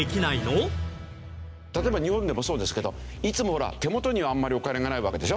例えば日本でもそうですけどいつもほら手元にはあんまりお金がないわけでしょ？